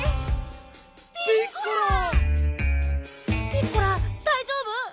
ピッコラだいじょうぶ？